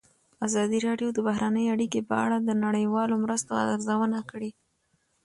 ازادي راډیو د بهرنۍ اړیکې په اړه د نړیوالو مرستو ارزونه کړې.